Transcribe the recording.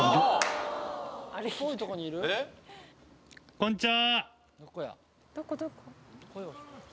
こんにちは。